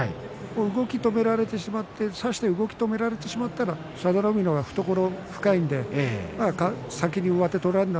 動きを止められてしまって差して動きを止められてしまったが佐田の海の方が懐が深いので先に上手を取られて。